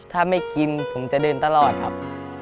ถ้าไม่กินผมจะเดินตลอดครับ